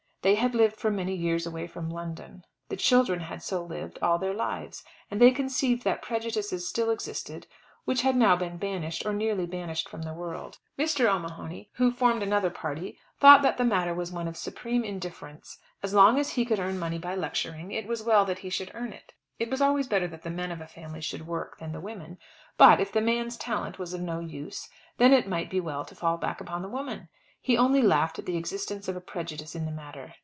They had lived for many years away from London. The children had so lived all their lives; and they conceived that prejudices still existed which had now been banished or nearly banished from the world. Mr. O'Mahony, who formed another party, thought that the matter was one of supreme indifference. As long as he could earn money by lecturing it was well that he should earn it. It was always better that the men of a family should work than the women; but, if the man's talent was of no use, then it might be well to fall back upon the woman. He only laughed at the existence of a prejudice in the matter.